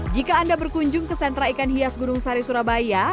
jika anda berkunjung ke sentra ikan hias gunung sari surabaya